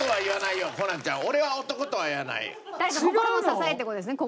心の支えって事ですね。